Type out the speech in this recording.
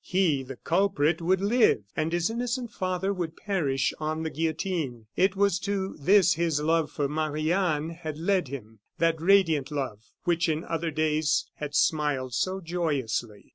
He, the culprit, would live, and his innocent father would perish on the guillotine. It was to this his love for Marie Anne had led him, that radiant love which in other days had smiled so joyously.